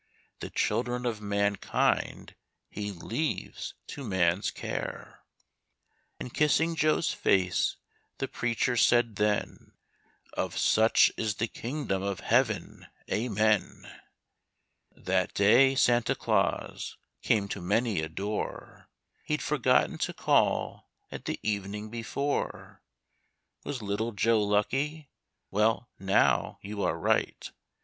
The children of mankind He leaves to man's care;" And kissing Joe's face the preacher said then; "Of such is the kingdom of Heaven. Amen!" That day Santa Claus came to many a door He'd forgotten to call at the evening before. Was little Joe lucky? Well, now, you are right.